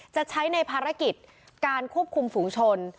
จะใช้ในภารกิจการควบคุมฝูงชน